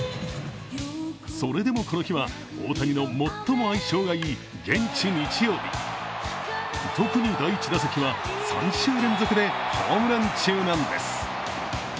それでも、この日は大谷の最も相性がいい現地日曜日、特に第１打席は３週連続でホームラン中なんです。